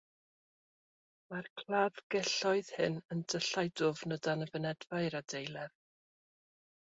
Mae'r claddgelloedd hyn yn dyllau dwfn o dan y fynedfa i'r adeiledd.